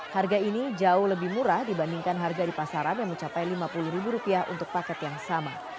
harga ini jauh lebih murah dibandingkan harga di pasaran yang mencapai rp lima puluh untuk paket yang sama